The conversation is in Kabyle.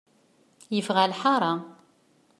Yeffeɣ ɣer lḥara.